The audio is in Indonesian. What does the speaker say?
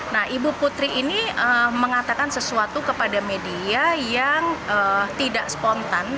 nah ibu putri ini mengatakan sesuatu kepada media yang tidak spontan